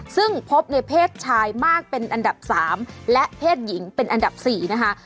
ซึ่งพบในเพศชายมากเป็นอันดับ๓และเพศหญิงเป็นอันดับ๔นะคะ